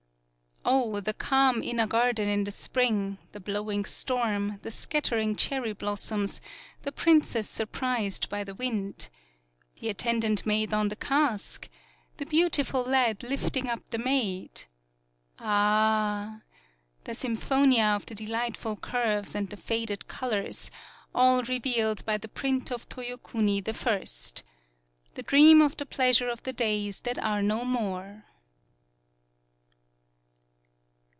O, the calm inner garden in the spring, the blowing storm, the scatter ing cherry blossoms, the princess sur prised by the wind! The attendant maid on the cask! The beautiful lad lifting up the maid! Ah! The sym pJionia of the delightful curves and the faded colors, all revealed by the print of Toyokuni the first! The dream of the pleasure of the days that are no more